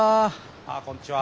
ああこんにちは。